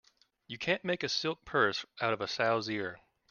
You can't make a silk purse out of a sow's ear.